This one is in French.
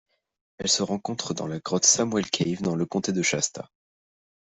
Elle se rencontre dans la grotte Samwell Cave dans le comté de Shasta.